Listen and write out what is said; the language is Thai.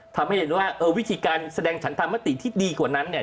ทำให้เห็นว่าเออวิธีการแสดงฉันธรรมติที่ดีกว่านั้นเนี่ย